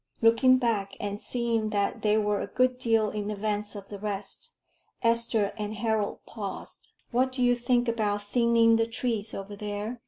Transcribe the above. ] Looking back and seeing that they were a good deal in advance of the rest, Esther and Harold paused. "What do you think about thinning the trees over there?"